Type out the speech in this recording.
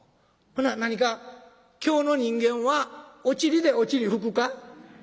ほな何か京の人間はおちりでおちり拭くか？」。